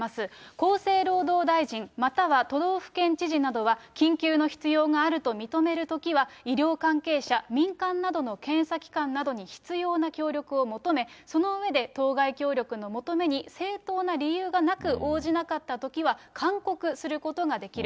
厚生労働大臣、または都道府県知事などは、緊急の必要があると認めるときは、医療関係者、民間などの検査機関などに必要な協力を求め、その上で当該協力の求めに正当な理由がなく応じなかったときは、勧告することができる。